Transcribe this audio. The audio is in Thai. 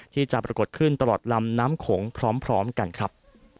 ที่จะปรากฏขึ้นตลอดลำน้ำโขงพร้อมกันครับ